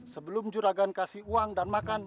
sebelum juragan kasih uang dan makan